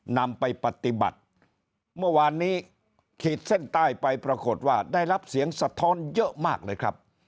นำไปปฏิบัติเมื่อวานนี้ขีดเส้นใต้ไปปรากฏว่าได้รับเสียงสะท้อนเยอะมากเลยครับ